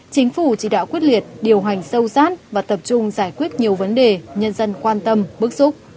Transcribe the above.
chính phủ chỉ đạo quyết liệt điều hành sâu sát và tập trung giải quyết nhiều vấn đề nhân dân quan tâm bức xúc